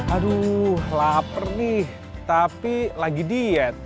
aduh lapar nih tapi lagi diet